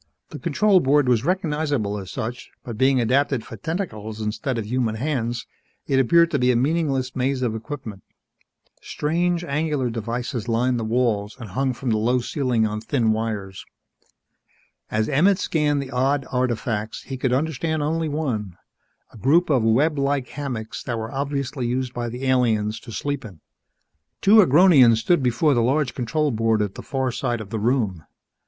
The control board was recognizable as such, but being adapted for tentacles instead of human hands, it appeared to be a meaningless maze of equipment. Strange, angular devices lined the walls and hung from the low ceiling on thin wires. As Emmett scanned the odd artifacts, he could understand only one a group of web like hammocks that were obviously used by the aliens to sleep in. Two Agronians stood before the large control board at the far side of the room.